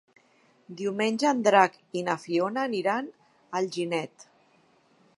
Diumenge en Drac i na Fiona aniran a Alginet.